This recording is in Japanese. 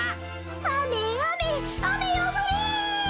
あめあめあめよふれ！